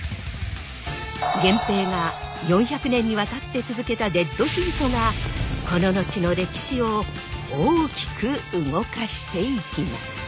源平が４００年にわたって続けたデッドヒートがこの後の歴史を大きく動かしてゆきます。